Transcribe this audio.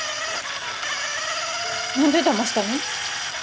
何でだましたの？